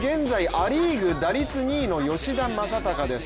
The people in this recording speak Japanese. ア・リーグ打率２位の吉田正尚です。